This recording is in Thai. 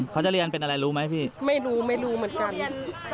เขาเรียนสายโยธาจ้ะ